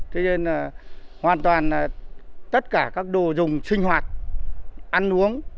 thế nên hoàn toàn tất cả các đồ dùng sinh hoạt ăn uống